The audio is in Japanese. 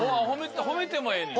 褒めてもええねや。